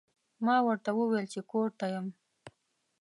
ما ورته وویل چې کور ته یم.